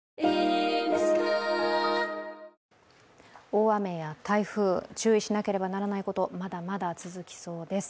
大雨や台風、注意しなければならないこと、まだまだ続きそうです。